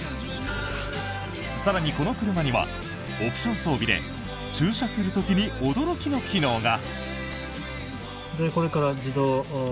更に、この車にはオプション装備で駐車する時に驚きの機能が。